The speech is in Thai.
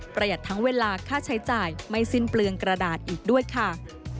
ทั้งเวลาค่าใช้จ่ายไม่สิ้นเปลืองกระดาษอีกด้วยค่ะ